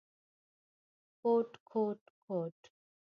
کوټ، کوټ ، کوټ ….